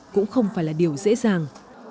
cũng không phải là điều dễ dàng